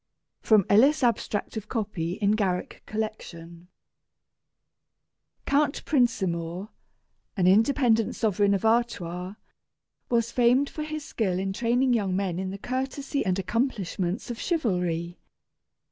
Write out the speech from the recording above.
(From Ellis' Abstract of Copy in Garrick Collection.) [Illustration: Eglamour & Crystabell.] Count Prinsamour, an independent sovereign of Artois, was famed for his skill in training young men in the courtesy and accomplishments of chivalry.